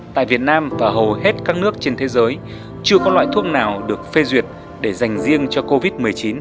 tại việt nam và hầu hết các nước trên thế giới chưa có loại thuốc nào được phê duyệt để dành riêng cho covid một mươi chín